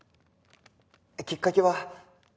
きっかけは。